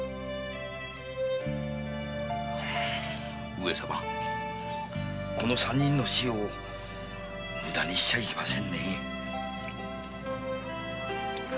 上様この三人の死を無駄にしちゃいけませんね。